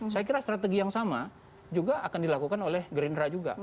saya kira strategi yang sama juga akan dilakukan oleh gerindra juga